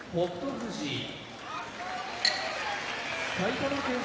富士埼玉県出身